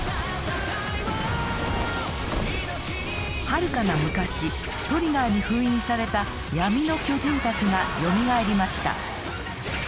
はるかな昔トリガーに封印された闇の巨人たちがよみがえりました。